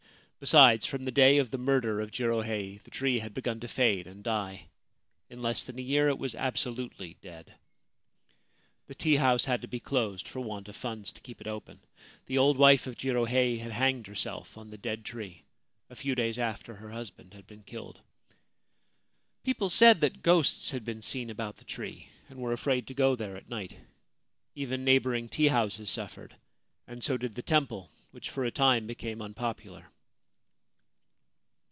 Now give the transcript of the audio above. Besides, from the day of the murder of Jirohei the tree had begun to fade and die ; in less than a year it was absolutely dead. The tea house had to be closed for want of funds to keep it open. The old wife of Jirohei had hanged herself on the dead tree a few days after her husband had been killed. People said that ghosts had been seen about the tree, and were afraid to go there at night. Even neighbouring tea houses suffered, and so did the temple, which for a time became unpopular.